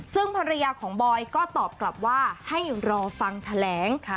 ซึ่งภรรยาของบอยก็ตอบกลับว่าให้รอฟังแถลง